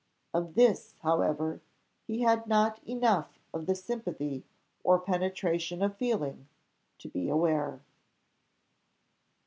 Of this, however, he had not enough of the sympathy or penetration of feeling to be aware.